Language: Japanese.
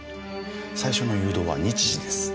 最初の誘導は日時です。